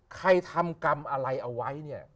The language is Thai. ใครทำกรรมอะไรเอาไว้เนี่ย